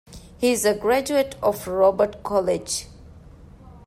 He is a graduate of Robert College.